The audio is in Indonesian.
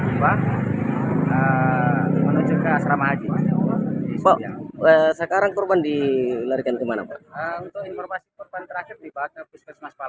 nah ini rombongan pengantar jemaah haji atau bagaimana